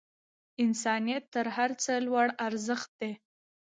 انسانیت تر هر څه لوړ ارزښت دی.